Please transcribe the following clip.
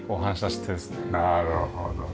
なるほどね。